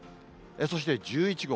そして１１号。